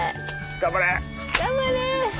頑張れ！